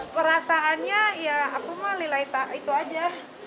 perasaannya ya aku mau lilai tak itu aja